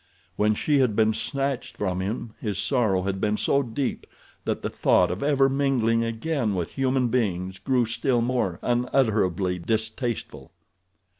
When she had been snatched from him his sorrow had been so deep that the thought of ever mingling again with human beings grew still more unutterably distasteful.